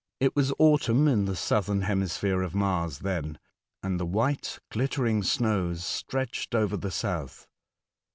It was autumn in the Southern hemi sphere of Mars then, and the white glittering snows stretched over the south.